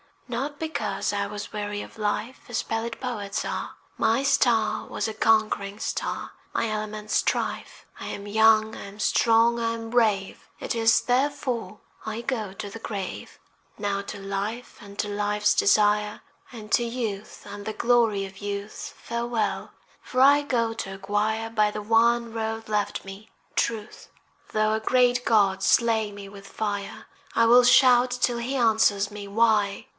Not because I was weary of life As pallid poets are: My star was a conquering star, My element strife. I am young, I am strong, I am brave, It is therefore I go to the grave. Now to life and to life's desire, And to youth and the glory of youth, Farewell, for I go to acquire, By the one road left me, Truth. Though a great God slay me with fire I will shout till he answer me. Why?